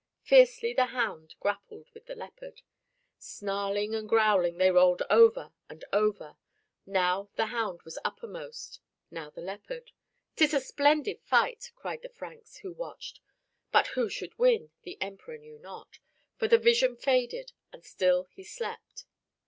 Fiercely the hound grappled with the leopard. Snarling and growling they rolled over and over. Now the hound was uppermost, now the leopard. "Tis a splendid fight!" cried the Franks who watched. But who should win, the Emperor knew not, for the vision faded, and still he slept.